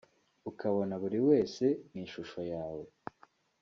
ukabona buri wese mu ishusho yawe